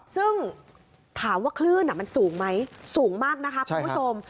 ซึ่งถามว่าคลื่นมันสูงไหมสูงมากนะคะคุณผู้ชม